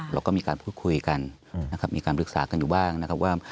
เราก็มีการพูดคุยกันนะครับมีการปรึกษากันอยู่บ้างนะครับว่า